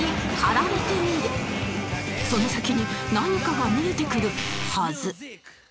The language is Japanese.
その先に何かが見えてくるはず